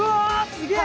すげえ！